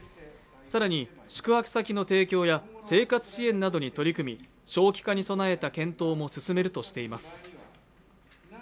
更に、宿泊先の提供や生活支援などに取り組み長期化に備えた検討も進めるとしています。